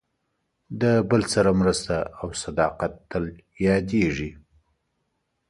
د بل سره مرسته او صداقت تل یادېږي.